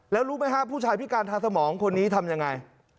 แล้วรู้ไหมฮะผู้ชายพิการทางสมองคนนี้ทำยังไง